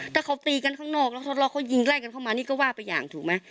ถ้าเขาตีกันข้างนอกแล้วทดลองเขายิงไล่กันเข้ามานี่ก็ว่าไปอย่างถูกไหม